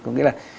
có nghĩa là